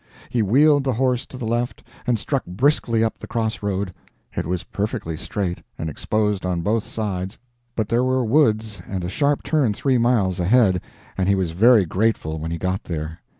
He wheeled the horse to the left, and struck briskly up the cross road. It was perfectly straight, and exposed on both sides; but there were woods and a sharp turn three miles ahead, and he was very grateful when he got there.